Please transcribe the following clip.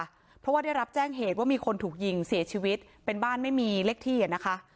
เพราะว่าได้รับแจ้งเหตุว่ามีคนถูกยิงเสียชีวิตเป็นบ้านไม่มีเลขที่อ่ะนะคะ